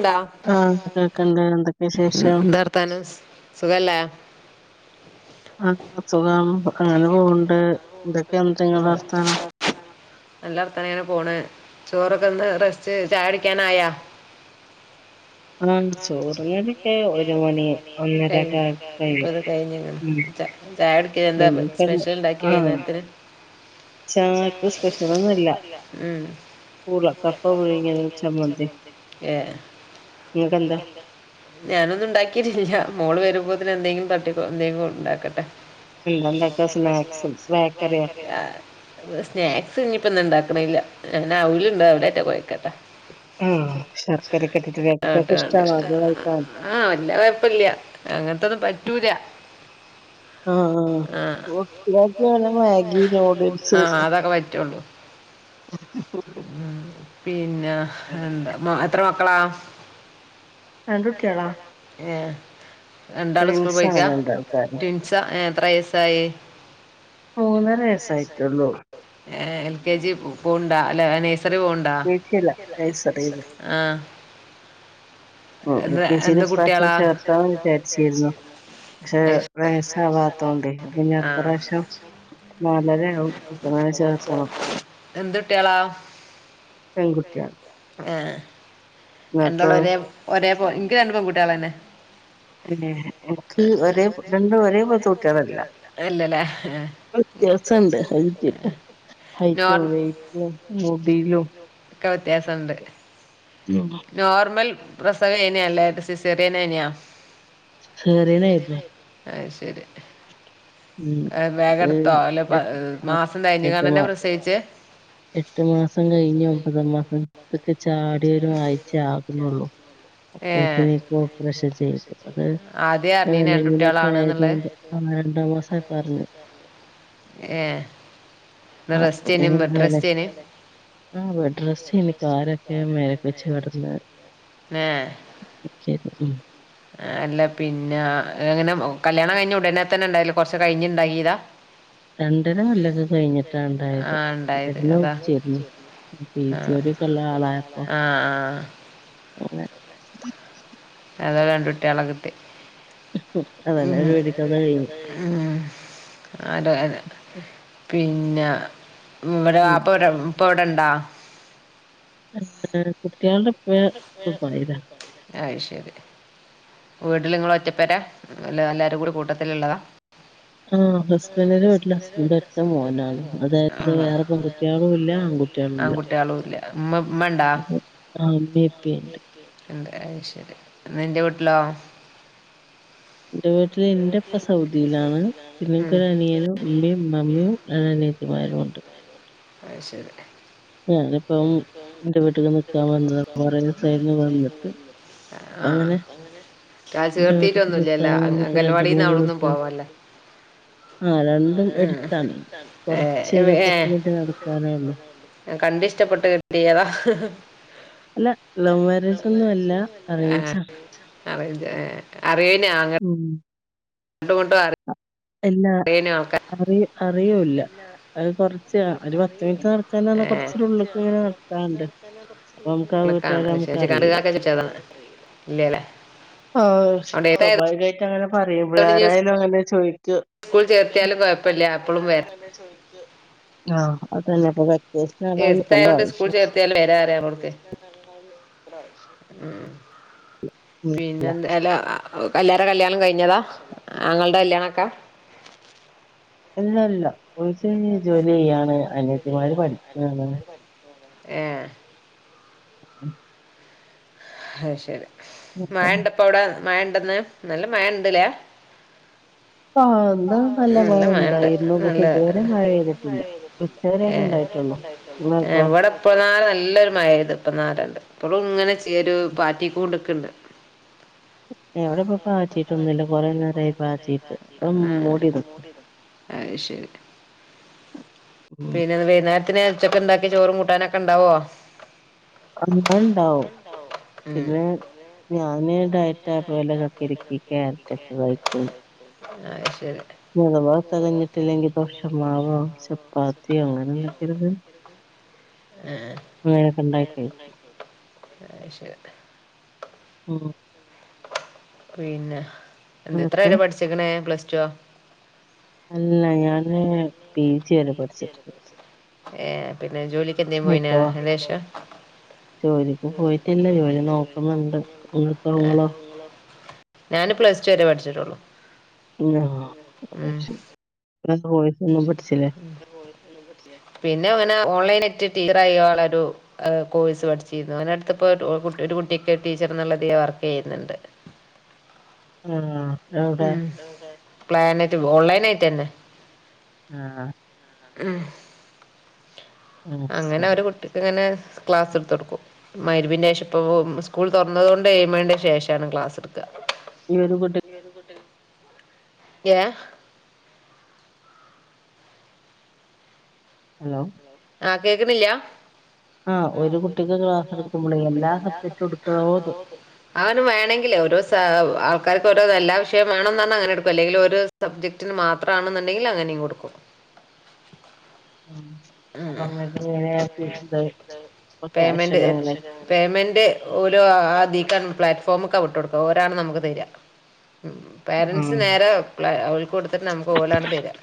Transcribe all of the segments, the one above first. ഇന്ത ആഹ് കേക്ക്ണ്ട് [unintelligible] എന്ത് ഉം എന്താവർത്താനം സുഖെല്ലേ. ആ സുഖം അങ്ങനെ പോവ്ണ്ട്. എന്തെക്കെ ഇന്നട്ട് ഇങ്ങളെ വർത്താനം. നല്ലർത്ഥാനം ഇങ്ങനെ പോണ്. ചോറൊക്കെ തിന്ന് റസ്റ്റ് ചായ കുടിക്കാനയ ആഹ് ഇപ്പം ചോറു [unintelligible] ചോറുണ്ണലൊക്കെ ഒക്കെ ഒരു മണി ഒന്നരൊക്കെ കഴിഞ്ഞിട്ട് കഴിയും ഒക്കെ ഉം [unintelligible] ചായൊട്ക്ക്യാ എന്താ ഇനിയിപ്പം സ്പെഷ്യല് ഇണ്ടാക്കി ആഹ് വൈന്നേരത്തിന്. ചായക്ക് സ്പെഷ്യലൊന്നുല്ല ഉം പൂള കപ്പ പുഴുങ്ങിയതും [unintelligible] എഹ്‌ ഇഞ്പ്പെന്താ ഞാനൊന്നും ഉണ്ടാക്കീട്ടില്ല. മോള് വരുമ്പോത്തിന് എന്തെങ്കിലും തട്ടി [unintelligible] എന്തേലും ഇണ്ടാക്കട്ടെ. എന്താ ഇണ്ടാക്കാ [unintelligible] സ്നാക്സും ബേക്കറിയോ ആ സ്നാക്സ് ഇഞ്ഞ്പ്പ ഇന്ന് ഇണ്ടാക്ക്ണ്ല്ല. ഞാനൗല്ണ്ട്. ഔലെറ്റെ കൊയ്ക്കെട്ടെ. ആ ശർക്കരക്കെ ഇട്ടിട്ട് രാത്രികക്ക് ഇഷ്ടാണൊ അത് കഴിക്കാൻ. ആഹ് വല്ല്യ കൊഴപ്പല്ല്യാ. അങ്ങൻത്തൊന്നും പറ്റൂല. ആ ആ കുട്ടികക്ക് [unintelligible] മേഗി നൂഡിൽസ് ക്കെ പറ്റൊള്ളൂ ഉം പിന്നെ എന്ത മ എത്ര മക്കളാ. രണ്ട് കുട്ട്യള ഏഹ് രണ്ടാളും സ്കൂൾ ട്വിൻസാണ് പോയിക്കാ രണ്ടാൾക്കാരും ടിൻ സ്സാ എത്രയസായി. മൂന്നര വയസായിറ്റൊള്ളു. എ എൽ കെ ജി പോവ്ണ്ടാ അല്ല നഴ്സറി പോവ്ട വിളിച്ചില്ല നെഴ്സറീല് ആഹ് എൽ കെ ജി യിലെ എന്ത് കുട്ടികളാ ഇപ്രാവശ്യം വിചാരിച്ചീരുന്നു. പക്ഷെ ഐഷ്- വേയസ് അവാത്തോണ്ട് പിന്നെ ആ അടുതവശ്യം. നാലരാവും അപ്പൊങ്ങാണം ചേർത്തണം എന്ത് കുട്ടികളാ പെൺകുട്ടിയാ ആ രണ്ടുള്ളും ഒരേ ഒരേ പോ എങ്ക് രണ്ട് പെൺകുട്ട്യോള് അന്നെ രണ്ടും ഒരേ പോലത്തെ കുട്ടികളില്ല അല്ലലാ വിത്യാസണ്ട് ഹൈറ്റിലും, ഹൈറ്റും, നോർമൽ വെയറ്റും, മുടീലും. ക്ക വ്യത്യാസൊണ്ട്. [inaudible] നോർമൽ പ്രസവേനെയല്ലേ സിസറിയനേനെയോ ചെറിയനായിരുന്നു അയ് ശെരി ഉം അത് അല്ല പ [inaudible] മാസം കഴിഞ്ഞ് കാണ്ടന്നെ കേട്ടുവാ പ്രസവിച്ചേ എട്ട് മാസം കഴിഞ്ഞ് ഒമ്പത് മാസം ത്ക് ചാടിയൊരു ആഴ്ച യാകുന്നുള്ളൂ. ഏഹ് അപ്പോത്തിന് എനീക് ഓപ്പറേഷൻ ചെയ്തു അത് ആദ്യേ അറിഞ്ഞീനോ രണ്ട് വിലങ്ങിനൊക്കെ കുട്ടികളാണ്ന്നുള്ളത് ആയതുകൊണ്ട്. രണ്ട മാസംയി പഅറിഞ്ഞ്. ഏഹ് ഇന്ന് ആ റെസ്റ്റേന് ബെഡ് റെസ്റ്റേന് [inaudible] ആ ബെഡ് റെസ്റ്റ് എയിന് കല് ഒക്കെ മേലക് വെച്ച് കെടന്ന്. ങ്ങോ നിക്കേരുന്നു. ഉം. അല്ല പിന്നെ അ അങ്ങനെ കല്യാണം കഴിഞ്ഞൊടനെ തന്നെ ഉണ്ടായില്ല കൊറച്ച് കഴിഞ്ഞ് ഇണ്ടായിയതാ. രണ്ടര കൊല്ലംക്കെ കഴിഞ്ഞിട്ടാ ഒണ്ടായത് ആഹ് ഇണ്ടായത് മരുന്ന് അതാ കുടിച്ചൊരുന്നു. പി സി ഒ ആഹ് ടി യൊക്കൊള്ള ആളായപ്പൊ ആഹ് അങ്ങനെ അതോ രണ്ടു കുട്യോളെ കിട്ടി. അതാനെ ഒരു വെടിക്ക് അതാട് കഴിഞ്ഞ്. അതെ അതെ പിന്നെ ഉം ഇവരെ വാപ്പ ഇവരം ഇപ്പ ഇവിടൊണ്ടാ ഇല കുട്ടികളെ ഇപ്പ ദുബായില. അയ്ശെരി വീട്ടില് ഇങ്ങള് ഒറ്റ പ്പെരാ അല്ല എല്ലാരും കൂടി കൂട്ടത്തിലുള്ളതാ. ആഹ് ബെസ്സ് ഹസ്ബൻഡിന്റെ വീട്ടിലെ ഹസ്ബൻഡ് അതായത് ഒറ്റമോനാണ് വേറെ പെൺകുട്ടികളും ഇല്ല ആൺകുട്ടികളും ഇല്ല. ആൺകുട്ടികളുല്ലാ മ്മ മ്മണ്ടാ അപ്പൊ ആഹ് ഇമ്മീം ഇപ്പീണ്ട്. അത് ശരി നിൻ്റെ വീട്ടിലോ? എന്റെ വീട്ടില് ഇന്റായിപ്പ സൗദിയിലാണ്. പിന്നെ ഉം. എനിക്കൊരു അനിയനും. ഉമ്മയും. ഇമ്മമ്മയും. രണ്ട് അനിയത്തിമാരും ഉണ്ട്. അഹ് ശെരി. ഞാനപ്പം എന്റെ വീട്ടിൽ നിക്കാൻവന്നതാ കുറെ ദിവസായിരുന്നു വന്നിട്ട്. അപ്പൊ ആ അങ്ങനെ ആ എന്റെവീട്ടിക് ചേർത്തിട്ടൊന്നുമില്ലല്ല നിക്കാൻ വന്നിട്ട് രണ്ട അംഗൻവാടിയിൽ നിന്ന് മൂന്ന് അവിടെ ഒന്നും ദിവസം പോവാല്ലേ ആഹ് രണ്ടും ഉം. എടുത്താണ് ഏ, കുറച്ച് ഒരു ഇവ- ഏ, പത്ത് മിനിറ്റ് നടക്കാനേ ഉള്ളു. കണ്ട് ഇഷ്ടപ്പെട്ട് കിട്ടിയതാ. അല്ല ലവ് മാരേജ് ഒന്നും അല്ല അറേഞ്ചണ്. അറേൻജ് അറിയനാ അങ്ങന ഉം അങ്ങട്ടും ഇങ്ങട്ടൊക്കെ എല്ലാ അറിയാനു അറി അറിയൂല്ല അത് കൊറച്ച് ആഹ് ഒരു പത്ത് മിനിറ്റ് നട ച്ച്ന്നർഞ്ഞാ കൊർച്ചൊരു ഉള്ള്ക്ക് ങ്ങനെ നടക്കാണ്ട് അപ്പൊ നമുക്ക് ആ വീട്ട്കാരെ നമുക്ക് അറിയില്ല ഇല്ല്യല്ലേ അഹ് ഷ് സ്വാഭാവികയിട്ട് അങ്ങനെ പറയുമ്പയെയ് ഇനി ആരായാലും അങ്ങനെ ചോയ്ക്ക്യും സ്കൂൾ ചേർത്തിയാലും കൊഴപ്പല്ല്യ അപ്പളും വെര് ന്നെ ചോയ്ക്കാ ആഹ് അതെന്നെ അപ്പൊ വെക്കേഷ്ന് അർഞ്ഞാ നിക്കണ്ട എടുത്തായതുകൊണ്ട് ആവിശ്യം [unintelligible] ഉം പിന്നെ എന്താ അല്ല എല്ലാരെ കല്യാണം കഴിഞ്ഞതാ ആങ്ങൾണ്ടെ കല്യാണംക്കെ ഇല്ല ഇല്ലാ കോഴ്സ് കയിഞ്ഞ് ജോലി ചെയ്യാണ് അനത്തിമാര് പഠിക്കാണ് ഏഹ് ഉം അഹ് ശരി മഴ ഇണ്ടപ്പൊ അവ്ടെ മഴ ഇണ്ടന്ന് നല്ല മഴ ഇണ്ട്ല്ലേ ആഹ് ഇന്ന് നല്ല മഴ ഇണ്ടായിരുന്നു പക്ഷെ ഇത് വരെ മഴ പെയ്തിട്ടില്ല ഉച്ചവരെയൊക്കെ ഇണ്ടായിട്ടൊള്ളൂ ഇങ്ങൾക്കോ ഇപ്പന്നാരെ നല്ലൊരു മഴെയ്ത് ഇപ്പന്നാരാണ്ട് ഇപ്പളും ഇങ്ങനെ ച്ചെരു പാറ്റിക്കോണ്ട്ക്ക്ണ്ട് ഏ ഇവടെ ഇപ്പൊ പാറ്റിട്ടൊന്നുല്ല കൊറെ നേരായി പാറ്റിട്ട് പ്പം മൂടിനിക്ക അത് ശരി പിന്നെ വെയ്ന്നേര്ത്തിന് ഉച്ചക്ക്ണ്ടാക്ക്യ ചോറും കൂട്ടാനൊക്കെ ഇണ്ടാവോ [unintelligible] മള് ഇണ്ടാവും ഉം പിന്നെ ഞാന് ഡയറ്റാ അപ്പ വല്ല കക്കരിക്കിം ക്യാരറ്റെക്കെ കഴിക്കും. അഹ് ശരി. ഞ്ഞ് അഥവാ അഹ് തെകഞ്ഞിട്ടില്ലെങ്കി ദോഷമാവോ ചപ്പാത്തിയോ അങ്ങനെ എന്തെകിലും ഇത്‌ ആഹ് ഇങ്ങനെക്കെ ഇണ്ടാക്കി വെക്കും അഹ് ശെരി. ഉം. പിന്നെ എന്ത് എത്ര എന്നിട്ട് വരെ പഠിച്ച്ക്ക്ണ് പ്ലസ് റ്റോ അല്ല ഞാന് പി ജി വരെ പി ജി വെരെ പഠിച്ചിട്ടുണ്ട് പഠിച്ച്ക്ക്ണ് ഏഹ് പിന്നെ ജോലിക്ക് എന്തേം പോയിനാ ഇപ്പോ അയ്‌ന്റേഷം. ജോലിക്ക് പോയിട്ടില്ല ജോലി നോക്ക്ണ് ണ്ട് ആഹ് അപ്പങ്ങളോ ഞാന് പ്ലസ് ടു വരെ പഠിച്ചിട്ടൊള്ളൂ. ഉം ആഹ് അയ് ശെരി പിന്നെ‌കോഴ്സ് ഒന്നും പഠിച്ച്ലെ. ഉം പിന്നെ കോഴ്സൊന്നും പട്ച്ച്ലെ പിന്നെ അങ്ങനെ ഓൺലൈനറ്റ് ടീച്ചറയ്ങ്ങാളരു അഹ് കോഴ്സ് പഠിച്ചിരുന്നു അങ്ങനട്ത്ത്പ്പോ ഓഹ് കു ഒരു കുട്ടിയ്ക്ക് ഒര് ടീച്ചറെന്ന്ള്ള തില് വർക്കെയ്യ്ന്ന്ണ്ട്. ആഹ് ഉം അത്ങ്ങനെ പ്ലാനയ്റ്റ് പോവാ ഓൺലൈൻ അയ്റ്റെന്നേ. അഹ്. ഉം ആഹ് അങ്ങനെ ശരി ഒരുകുട്ടി ക്ക്ങ്ങനെ ക്ലാസ് ഇട്ത്തൊട്ക്കും. മഗ്‌രിബിന്റേഷം ഇപ്പപ്പൊ സ്കൂൾ തൊർന്നത് കൊണ്ട് എഴ്മണിന്റെ ശേഷാണ് ക്ലാസ് ഇട്ക്ക ഈ ഒരു കുട്ടി ഈ ഒരു കുട്ടി [unintelligible] യേ ഹലോ ആഹ് കേക്ക്ണില്ലാ ആഹ് ഒരു കുട്ടിക്ക് ക്ലാസ് എടുക്കുമ്പളെയ് എല്ലാ സബ്ജക്ടും ഇട്ക്കണോന്ന് അവന വേണമെങ്കേ ഓരോ ആൾക്കാർക്ക് ഓരോ എല്ലാ വിഷയംവേണംന്ന് പറഞ്ഞാ അങ്ങനെ എടുക്കും അല്ലെങ്കിൽ ഒരു സബ്ജക്ടിന് മാത്രമാണെന്നുണ്ടെങ്കിൽ അങ്ങനെയും കൊടുക്കും ഉ അപ്പൊ ഉം അങ്ങനനക്കണ്ട് അപ്പോ ക്യാഷ് ഒക്കെ എങ്ങനെ പേയ്മെൻറ് ഓരോ ആ നീക്കാൻ പ്ലാറ്റ്ഫോമൊ ഒക്കെ വിട്ടുക കൊടുക്കുക ഒരാാണ് നമുക്ക് തരിക ഉ പേരൻറ്സ് ഉം നേരെ അവക്ക് കൊടുത്തിട്ട് നമുക്ക് ഓലാണ് തരാം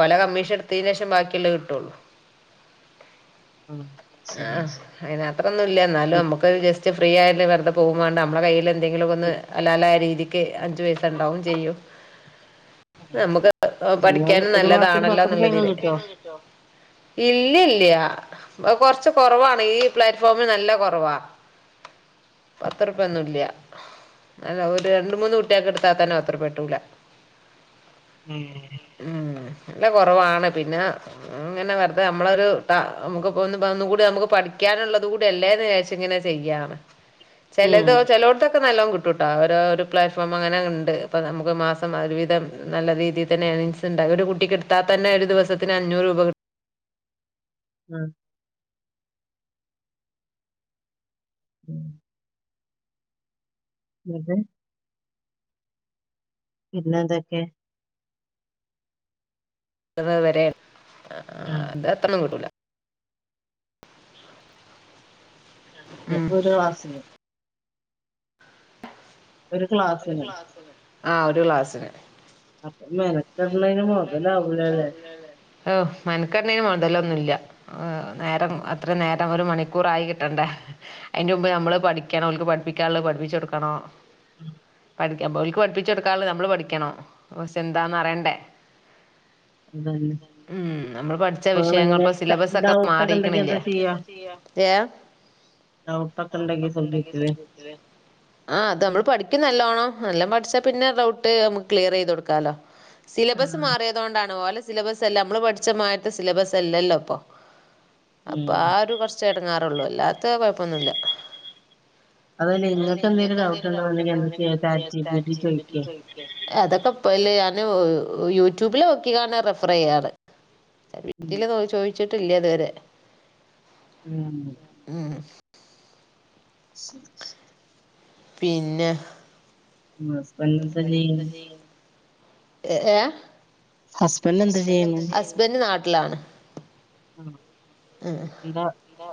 ഓല കമ്മീഷൻ എടുത്തതിന് ശേഷം ബാക്കിയുള്ളള്ളത് കിട്ടുള്ളൂ ആം ആഹ് അതിന അത്രൊന്നും ഇല്ല എന്നാലും നമുക്ക് ജസ്റ്റ് ഫ്രീ ആയാല വെറുതെ പോകുംണ്ട് നമ്മള കയ്ൽ എന്തെങ്കിലും ഒന്ന് ഹലാലായ രീതിക്ക് അഞ്ചു പയസ ഉണ്ടാവും ചെയ്യൂ നമ്മുക്ക് നിങ്ങള് പഠിക്കാനും ഒരു മാസത്തിൽ നല്ലതാണല്ലോ പത്ത് റുപ്യൊക്കെ എന്നുള്ളതില് കിട്ടോ ഇല്ലല്ല കൊറച്ച് കുറവാണ് ഈ പ്ലാറ്റ്ഫോമിൽ നല്ല കുറവാ പത്ത്റുപ ഒന്നും ഇല്ല അല്ല ഒരു രണ്ട മൂന്ന് കുട്ടിയൊക്കെ എടുത്താത്താനോ പത്തു രൂപ കിട്ടൂല്ല ഉം ഉം അല്ല കുറവാണ് പിന്നെ അങ്ങനെ വ അത് നമ്മളൊരു നമുക്ക്ന്നുകൂടി നമുക്ക് പഠിക്കാനുള്ളത് കൂടി അല്ലേന്ന്ചാരിച്ച ഇങ്ങനെ ചെയ്യാണ് [inaudible] ചിലത് ചിലോടത് നല്ലോണം കിട്ടും ട്ട ഓരോ ഒരു പ്ലാറ്റ്ഫോം അങ്ങനെ ഉണ്ട് അപ്പ നമുക്ക് മാസം ഒരു വിവിധം നല്ല രീതിൽ തന്നെ ഉണ്ട ഒരു കുട്ടിക്ക് എടുത്താൽ തന്നെ ഒരു ദിവസത്തിന് അഞ്ഞൂറ് രൂപ ഉം ഉം [unintelligible] ഉം ഇന്നതന്നെ ഇ വരെ ആഹ് അത് അത്ര കിട്ടൂല ഉം. ഇപ്പൊ ഒരു ക്ലാസ്സിലാ ഒരു ക്ലാസ്സിന് ആ ഒരു ക്ലാസില അപ്പൊ മെനക്കെടണതിന് മൊതലാവൂല്ലല്ലേ ഓ മെനക്കേടണത്തിന് മുതലൊന്നുമല്ല നേരം അത്ര നേരം ഒരു മണിക്കൂറായി കിട്ടണ്ടേ അതിന്റെ മുമ്പ് നമ്മള് പഠിക്കോക്ക് പഠിപ്പിക്കാനുള്ളോ പഠിപ്പിച്ച് കൊടുക്കണോ പഠിക്കാൻ പോയൊരു പഠിപ്പിച്ച് കൊടുക്കാനുള്ള നമ്മള് പഠിക്കണം ഇതാന്ന്പറയണ്ടേ അതന്നെ ഉം നമ്മള് പഠിച്ച അപ്പൊ വിഷയങ്ങൾ നിങ്ങളെങ്ങനെ ഇപ്പ സിലബസ ഒക്കെ ഡൗട്ടൊക്കെ ഉണ്ടെങ്കി മാറിരിക്കണില്ലേ എന്താ ചെയ്യാ ഏ ഡൗട്ടൊക്കെ ഉണ്ടെങ്കിൽ കൊണ്ട് വിട്ടേര് ആഹ് ആ അത് അവൾ പഠിക്കും നല്ലോണം നാലോണം പഠിച്ചാൽ പിന്നെ ഡൗട്ട് നമുക്ക് ക്ലിയർ ചെയ്ത് കൊടുക്കാമല്ലോ സിലബസ് ആഹ് മാറിയത കൊണ്ടാണ്ണ ലെ സിലബസ് അല്ല നമ്മള് പഠിച്ചമാത്തെ സിലബസ് അല്ലല്ലോ ഇപ്പൊ അപ്പൊ ഉം ആ ഒരു പ്രശ്നം കുർച്ച ഇടങ്ങാറുള്ളു അല്ലാത്ത കുഴപ്പൊന്നുമല്ല അതായെ നിങ്ങൾക്ക് എന്തെങ്കിലും ഡൗട്ട്ണ്ടോണ്ടെങ്ക എന്താ ചെയചാറ്റ് ജി പിടി ചോദിക്കേ അതൊക്കെ ഇപ്പൊ അല്ലെ യാനു യൂട്യൂബിൽ നോക്കി യാണ് റെഫർ ചെയ്യാറ് ചാറ്റ് ജി പി ഉം റ്റിയിൽ ചോദിച്ചിട്ടില്ലേ അതുവരെ [unintelligible] ഉം ശരി പിന്നെ ഹസ്ബൻ ഹസ്ബന്റ് എന്ത് ചെയ്യണു ഏ ഏ ഹസ്ബൻഡ് ഹസ്ബന്റ് ചെയ്യ്ണ് എന്ത് ചെയ്യണു ഹസ്ബൻഡ് നാട്ടിലാണ് ഉം എന്താ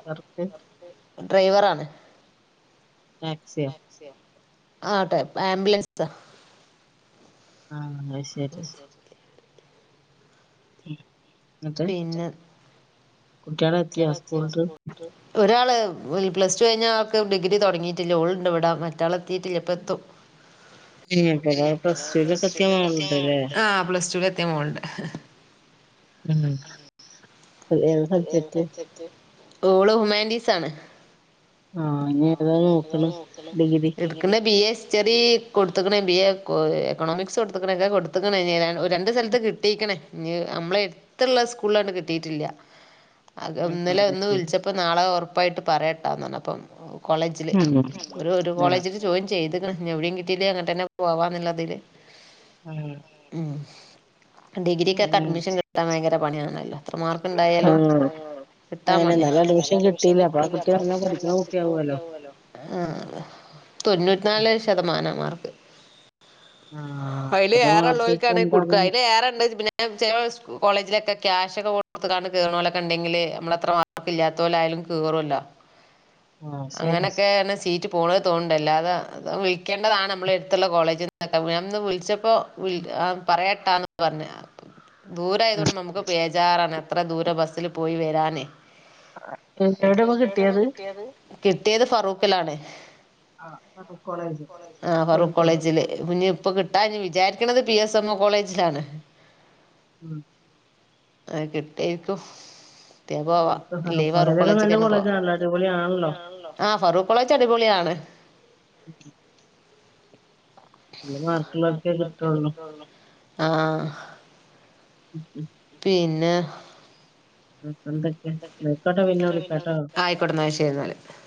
വർക്ക് ഡ്രൈവർ ആണ് ടാക്സി ആട്ടെ ആംബുലൻസ ആഹ് അയ് ശ [unintelligible] ഉം പിന്നെ കൂട്ടേൾ എത്തിയ സ്കൂൾ വിട്ട് ഒരാള് പ്ലസ് ടു കഴിഞ്ഞ ആൾക്ക് ഡിഗ്രി തുടങ്ങിയിട്ടില്ല ഓളുണ്ട് ഇവിടാ മറ്റാൾ എത്തിയിട്ടില്ല ഇപ്പ എത്തും ഏഹ് ഇബടെ പ്ലസ് ടുലൊക്കെ എത്തിയ മോള്ണ്ട്ല്ലേ ആഹ് പ്ലസ് ടു എത്തിയ മോള്ണ്ട് ഏതാ സബ്ജെക്റ്റ് [unintelligible] ഓള് ഹുമാൻന്റീസ് ആണ് ആഹ് ഇനി ഏതാ നോകണ് ഡിഗ്രി എടുക്കണ ബി എ ഹിസ്റ്ററി കൊടുത്ത്ക്കണ് ബി എ എക്കണോമിക്സ് കൊടുത്ത്ക്കണ് ഒക്കെ കൊടുത്ത്ക്കണ് രണ്ട് സ്ഥലത്ത് കിട്ടിയിക്കണ് ഇഞ് നമ്മളെ എത്തുള്ള സ്കൂളിൽ അങ്ങട് കിട്ടിയിട്ടില്ല ആഹ് ഇന്നലെ അത് ഒന്ന് ശരി വിളിച്ചപ്പോ നാളെ ഉറപ്പായിട്ട് പറയട്ടാന്ന് പറഞ്ഞപ്പോ കോളേജില് ഉം ഒരു ഒരു ആഹ് കോളേജിൽ ജോയിൻ ചെയ്തെക്കണ് എവിടേം കിട്ടീലകിൽ അങ്ങനെ തന്നെ പോവാന്നുള്ളതില് ഉം ഉം ഡിഗ്രിക്കൊക്കെ അഡ്മിഷൻ കിട്ടാണ് ൻ ഭയങ്കര പണിയാണല്ലോ മാ ക്ക് ണ്ടായാലും ആഹ് അയന്നെ കിട്ടാപണിയ നല്ല അഡ്മിഷൻ അപ്പൊ കിട്ടിയില്ല അപ്പ ആ നല്ല കുട്ടി പഠിക്കണ പഠിക്കുന്ന കുട്ടിയാവുമല്ലോ കുട്ടിയാകുമല്ലോ ആഹ് തൊണ്ണൂറ്റി നാലെ ശതമാനം മാർക്ക് ആഹ് അതില് എത്ര ഏറെ മാർക്ക് ഉള്ളവർക്കാണേൽ കൊടുക എന്താകും അതിനല് ഏറെ ഉണ്ടോച്ച് പിന്നെ ചെലെ കോളേജിലൊക്കെ ക്യാഷ്ഒക്കെ കൊടുത്ത ക്കാണ്ട് കേറണോല് ഉണ്ടെങ്കില് നമ്മള എത്ര മാർക്ക് ഇല്ലാത്ത ഓല ആയാലും കേറുല്ലോ ആഹ് ശരി അങ്ങനൊക്കെന്നെ സീ പോണ തോണ്ടല്ലാതെ വിളിക്കണ്ടതാണ് നമ്മള എടുത്തുള്ള കോളേജിൽന്നൊക്കെ ഞാനൊന്നു വിളിച്ചപ്പോൾ പറയട്ടാന്ന് പറഞ്ഞ് ദൂരായത് കൊണ്ട് നമുക്ക് ബേജാറാണ് എത്ര ദൂരം ബസ്സിൽ പോയി വരാനെ [unintelligible] കിട്ടിയത് കിട്ടിയത് ഫറൂകിലാണ് ആ, ഫറൂഖ് കോളേജ് ആഹ് ഫറുക്ക് കോഴിക്കോട് കോളേജില് കുഞ്ഞെ ഇപ്പൊ കിട്ട ലാരും വിചാരിക്കണത് പി എസ് എംഒ കോളേജിലാണ് ഉം ആഹ് കിട്ടേക്കും ത്തെ പോവാ നോക്ക് ഫറൂഖ് ലീവ് [unintelligible] നല്ല കോളേജൊക്കെ ആണല്ലോ കോളേജാണല്ലോ അടിപൊളി അടിപൊളിയാണല്ലോ ആണല്ലോ ആഹ് ഫറൂക്ക് കോളേജ് അടിപൊളിയാണ് [unintelligible] നല്ല മാർക്കുള്ളവർക്കേ കിട്ടൂള്ളൂ ആ ഉം ഉം പിന്നെ അപ്പൊ എന്തൊക്കെ ന്നായിക്കോട്ടെ പിന്നെ വിളിക്കാട്ടോ ആയി കെട്ന്നോ [unintelligible]